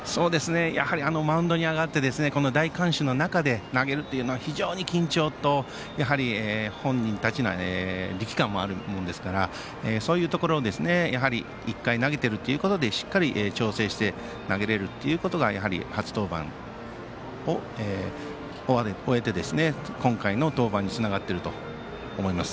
やはりマウンドに上がって大観衆の中で投げるというのは非常に緊張と、本人たちの力感もあるもんですから１回投げているということでしっかり調整して投げれるということが、初登板を終えて今回の登板につながっていると思います。